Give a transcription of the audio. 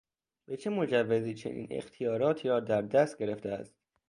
به چه مجوزی چنین اختیاراتی را در دست گرفته است؟